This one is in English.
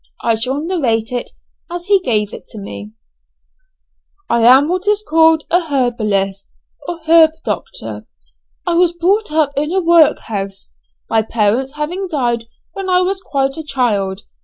I shall narrate it as he gave it to me: "I am what is called a herbalist, or herb doctor. I was brought up in a workhouse, my parents having died when I was quite a child.